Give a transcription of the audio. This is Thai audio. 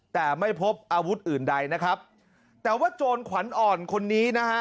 แต่ไม่พบอาวุธอื่นใดนะครับแต่ว่าโจรขวัญอ่อนคนนี้นะฮะ